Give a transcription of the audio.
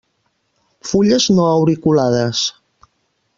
Fulles no auriculades.